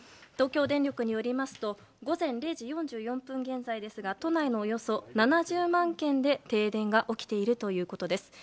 東京電力によりますと午前０時４４分現在都内のおよそ７０万軒で停電が起きているということです。